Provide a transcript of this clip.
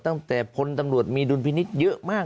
ตั้งแต่พลตำรวจมีดุลพินิษฐ์เยอะมาก